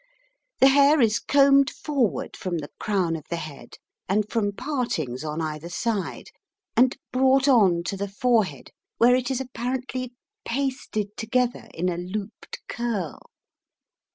The hair is combed forward from the crown of the head and from partings on either side, and brought on to the forehead, where it is apparently pasted together in a looped curl.